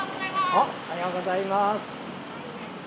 おはようございます。